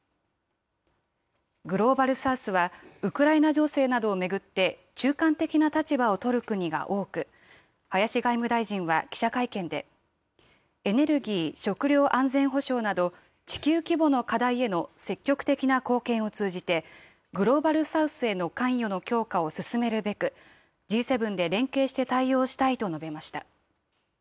グローバル・サウスはウクライナ情勢などを巡って、中間的な立場をとる国が多く、林外務大臣は記者会見で、エネルギー・食料安全保障など、地球規模の課題への積極的な貢献を通じて、グローバル・サウスへの関与の強化を進めるべく、Ｇ７で連携して対応したいと述べました。